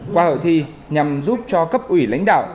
qua hội thi nhằm giúp cho cấp ủy lãnh đạo